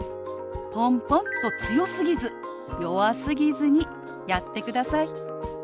ポンポンと強すぎず弱すぎずにやってください。